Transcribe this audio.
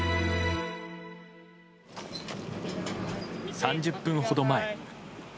３０分ほど前。